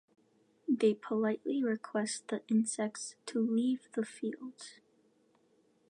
They politely request the insects to leave the fields.